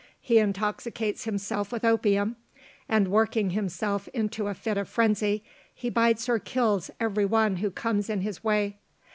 He intoxicates himself with opium; and working himself into a fit of frenzy, he bites or kills every one who comes in his way.